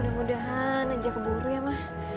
mudah mudahan aja keburu ya mah